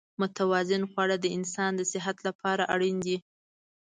متوازن خواړه د انسان د صحت لپاره اړین دي.